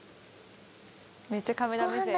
めっちゃカメラ目線。